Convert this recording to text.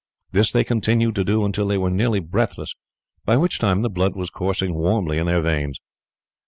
This they continued to do until they were nearly breathless, by which time the blood was coursing warmly in their veins.